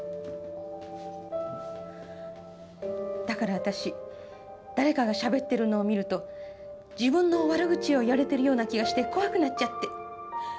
だから私誰かがしゃべってるのを見ると自分の悪口を言われてるような気がして怖くなっちゃって。